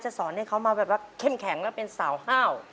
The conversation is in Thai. สอนให้เขามาแบบว่าเข้มแข็งแล้วเป็นสาวห้าว